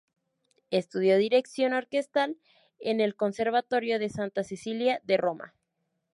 Estudió dirección orquestal en el Conservatorio de Santa Cecilia de Roma.